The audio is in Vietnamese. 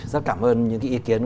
rất cảm ơn những cái ý kiến